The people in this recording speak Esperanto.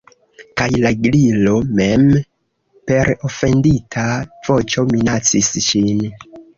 Kaj la Gliro mem per ofendita voĉo minacis ŝin.